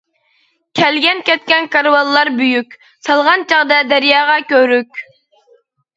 كەلگەن-كەتكەن كارۋانلار بۈيۈك، سالغان چاغدا دەرياغا كۆۋرۈك.